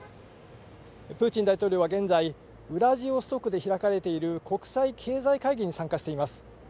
プーチン大統領は現在、ウラジオストクで開かれている国際経済会議に参加しています。